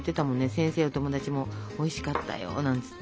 先生や友達も「おいしかったよ」なんつってね。